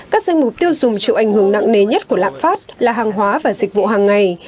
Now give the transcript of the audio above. các danh mục tiêu dùng chịu ảnh hưởng nặng nề nhất của lạm phát là hàng hóa và dịch vụ hàng ngày